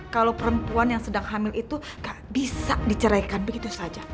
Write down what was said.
kalau perempuan yang sedang hamil itu gak bisa diceraikan begitu saja